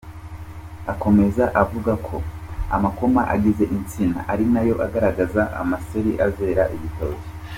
Akomeza avuga ko amakoma agize insina ari na yo agaragaza amaseri azeraho ibitoki.